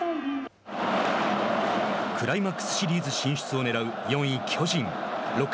クライマックスシリーズ進出をねらう４位巨人。６回。